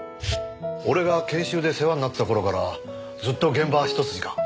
俺が研修で世話になってた頃からずっと現場一筋か？